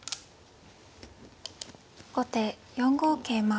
後手４五桂馬。